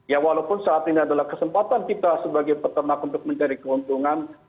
ya walaupun saat ini adalah kesempatan kita sebagai peternak untuk mencari keuntungan